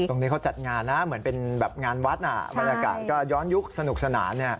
ตรงนี้เขาจัดงานนะเหมือนเป็นแบบงานวัดบรรยากาศก็ย้อนยุคสนุกสนาน